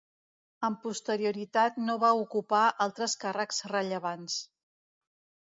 Amb posterioritat no va ocupar altres càrrecs rellevants.